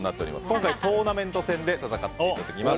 今回、トーナメント戦で戦っていただきます。